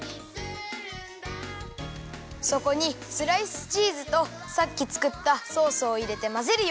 そこにスライスチーズとさっきつくったソースをいれてまぜるよ。